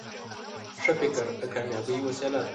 ښه فکر د کامیابۍ وسیله ده.